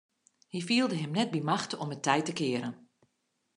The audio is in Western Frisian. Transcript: Hy fielde him net by machte om it tij te kearen.